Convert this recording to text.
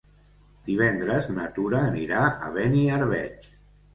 Divendres na Tura anirà a Beniarbeig.